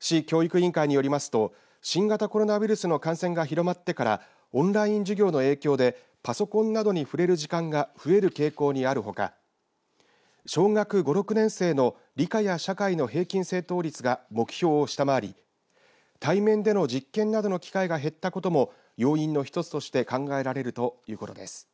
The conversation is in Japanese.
市教育委員会によりますと新型コロナウイルスの感染が広まってからオンライン授業の影響でパソコンなどに触れる時間が増える傾向にあるほか小学５、６年生の理科や社会の平均正答率が目標を下回り対面での実験などの機会が減ったことも要因の１つとして考えられるということです。